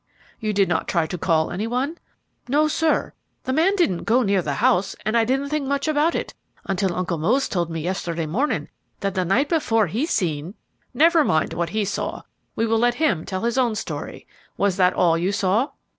"You did not try to call any one?" "No, sir. The man didn't go near the house, and I didn't think much about it until Uncle Mose told me yesterday morning that the night before he seen " "Never mind what he saw; we will let him tell his own story. Was that all you saw?"